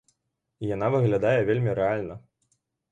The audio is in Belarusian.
Яна выглядае вельмі рэальна.